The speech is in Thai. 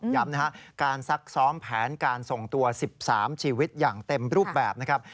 ย้ำนะครับการซักซ้อมแผนการส่งตัว๑๓ชีวิตอย่างเต็มรูปแบบนะครับ